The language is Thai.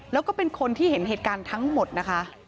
แล้วก็เป็นคนที่เห็นเหตุการณ์ทั้งหมดนะคะ